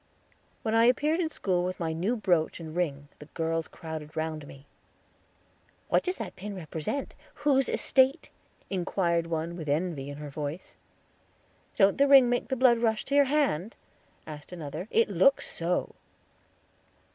When I appeared in school with my new brooch and ring the girls crowded round me. "What does that pin represent, whose estate?" inquired one, with envy in her voice. "Don't the ring make the blood rush into your hand?" asked another; "it looks so."